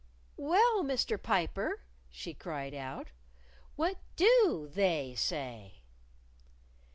"Well, Mr. Piper," she cried out, "what do They say?"